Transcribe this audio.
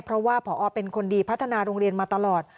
เพราะว่าพอเป็นคนดีพัฒนาโรงเรียนมาตลอด